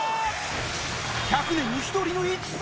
１００年に一人の逸材